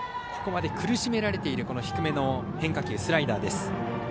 ここまで苦しめられている低めの変化球、スライダー。